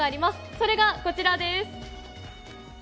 それはこちらです。